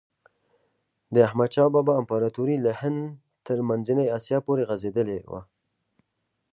د احمد شاه بابا امپراتوري له هند تر منځنۍ آسیا پورې غځېدلي وه.